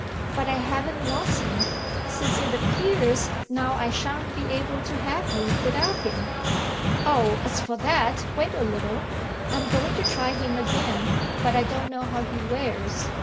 "But I haven't lost him, since it appears now I shan't be able to have you without him." "Oh, as for that, wait a little. I'm going to try him again, but I don't know how he wears.